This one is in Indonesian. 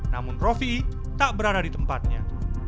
namun rofi tak berada di tempatnya